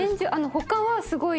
他はすごい。